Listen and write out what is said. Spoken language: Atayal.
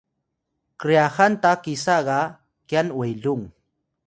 kryaxan ta kisa ga kyan welung